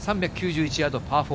３９１ヤード、パー４。